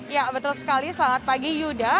ya betul sekali selamat pagi yuda